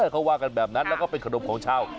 เขาว่ากันแบบนั้นแล้วก็เป็นขนมของชาว